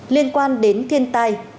liên quan đến thiên tai